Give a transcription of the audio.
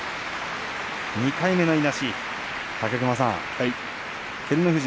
２回目のいなしですね